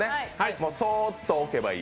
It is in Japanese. もう、そーっと置けばいい。